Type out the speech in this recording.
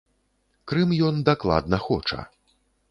Крым ён дакладна хоча.